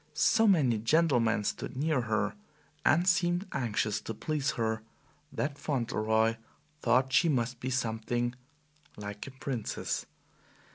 So many gentlemen stood near her, and seemed anxious to please her, that Fauntleroy thought she must be something like a princess.